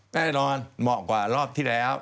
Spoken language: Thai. แน่นอนเหมาะกว่ารอบที่แล้ว